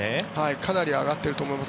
かなり上がっていると思います。